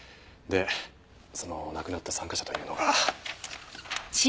でその亡くなった参加者というのが。